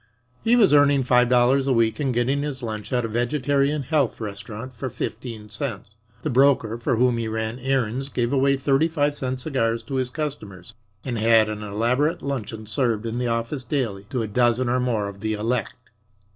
He was earning five dollars a week and getting his lunch at a "vegetarian health restaurant" for fifteen cents. The broker, for whom he ran errands, gave away thirty five cent cigars to his customers and had an elaborate luncheon served in the office daily to a dozen or more of the elect.